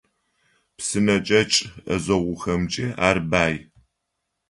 Псынэкӏэчъ ӏэзэгъухэмкӏи ар бай.